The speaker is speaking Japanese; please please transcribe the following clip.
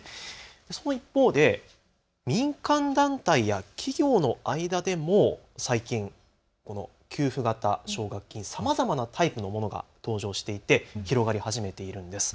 その一方で民間団体や企業の間でも最近、給付型奨学金さまざまなタイプのものが登場していて広がり始めているんです。